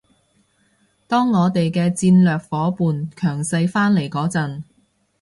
當我哋嘅戰略夥伴強勢返嚟嗰陣